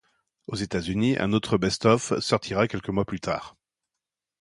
Aux États-Unis un autre best of sortira quelques mois plus tard.